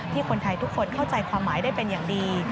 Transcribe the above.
คนไทยทุกคนเข้าใจความหมายได้เป็นอย่างดี